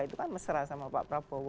itu kan mesra sama pak prabowo